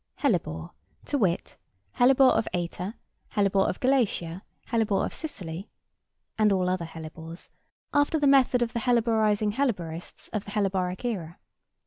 Hellebore, to wit— Hellebore of Æta. Hellebore of Galatia. Hellebore of Sicily. And all other Hellebores, after the method of the Helleborising Helleborists of the Helleboric era.